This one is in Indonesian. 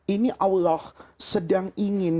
ini allah sedang ingin